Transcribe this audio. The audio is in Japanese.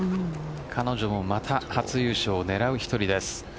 彼女もまた初優勝を狙う１人です。